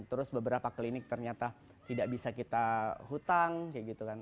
terus beberapa klinik ternyata tidak bisa kita hutang kayak gitu kan